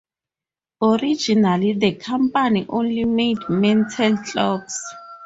Originally the company only made mantel clocks.